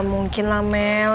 gak mungkin lah mel